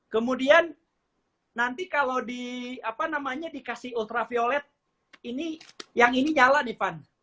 kemudian nanti kalau dikasi ultraviolet yang ini nyala dipan